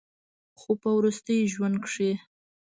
خو پۀ وروستي ژوند کښې